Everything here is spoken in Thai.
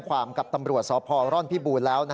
เพราะถูกทำร้ายเหมือนการบาดเจ็บเนื้อตัวมีแผลถลอก